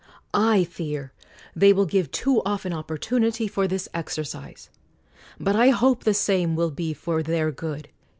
'' I fear they will give too often opportunity for this exercise ! But I hope the same will be for their good.